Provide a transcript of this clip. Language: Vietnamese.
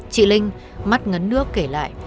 chị linh mắt ngấn nước kể lại